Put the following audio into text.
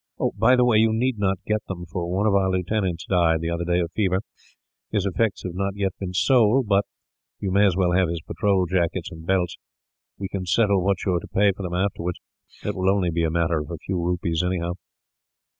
Oh, by the way, you need not get them, for one of our lieutenants died, the other day, of fever. His effects have not been sold, yet; but you may as well have his patrol jackets and belts. We can settle what you are to pay for them, afterwards. It will only be a matter of a few rupees, anyhow."